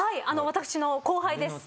私の後輩です。